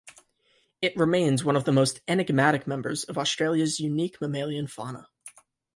It remains one of the most enigmatic members of Australia's unique mammalian fauna.